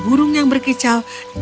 burung yang berkicau